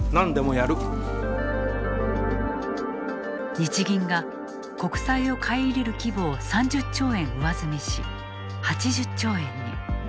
日銀が国債を買い入れる規模を３０兆円上積みし、８０兆円に。